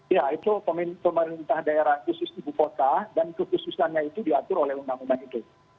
ya itu pemerintah daerah khusus ibu kota dan kekhususannya itu diatur oleh undang undang itu